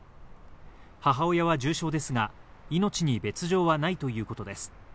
母親は重傷ですが、命に別条はないということです。